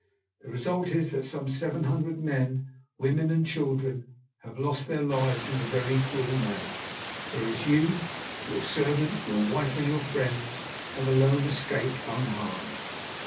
The result is that some seven hundred men, women, and children have lost their lives in a very cruel manner, whereas you, your servant, your wife and your friends have alone escaped unharmed.